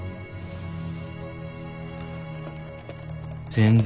全然。